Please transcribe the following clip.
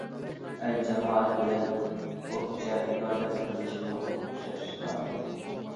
ئەل- جامائەت بىلەن ئوپچە ئىبادەت قىلىشمۇ ئوخشاشلا مۇھىم.